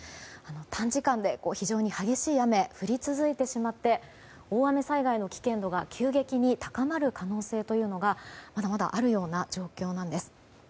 短時間で非常に激しい雨が降り続いてしまって大雨災害の危険度が急激に高まる可能性というのがまだまだあるような状況なんです。